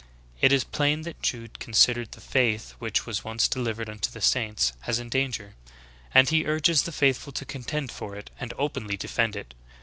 "'* It is plain that Jude con sidered ''the faith which was once deHvered unto the saints" as in danger; and he urges the faithful to contend for it and openly defend it.